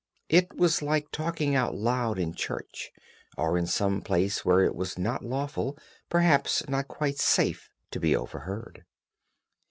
It was like talking out loud in church, or in some place where it was not lawful, perhaps not quite safe, to be overheard.